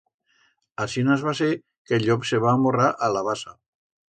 Asinas va ser que el llop se va amorrar a la basa.